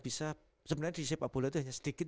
bisa sebenarnya di sipa bula itu hanya sedikit